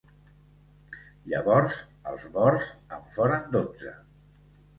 Llavors, els morts en foren dotze.